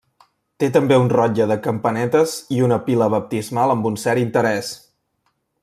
Té també un rotlle de campanetes i una pila baptismal amb un cert interès.